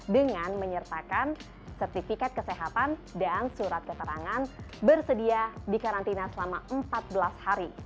dengan menyertakan sertifikat kesehatan dan surat keterangan bersedia di karantina selama empat belas hari